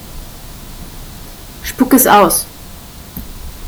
Spuck es aus!